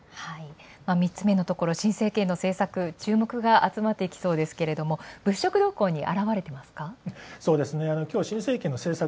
３つ目のところ新政権の政策、集まっていきそうですが物色動向に現れていますか？